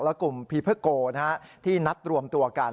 และกลุ่มพีเพอร์โกที่นัดรวมตัวกัน